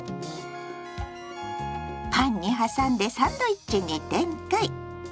パンに挟んでサンドイッチに展開！